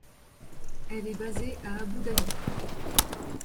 Elle est basée a Abu Dhabi.